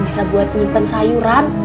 bisa buat nyimpen sayuran